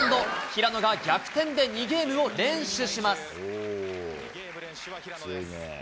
平野が逆転で２ゲームを連取します。